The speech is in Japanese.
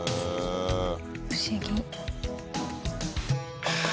不思議。